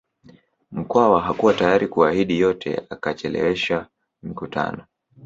Mkwawa hakuwa tayari kuahidi yote akachelewesha mikutano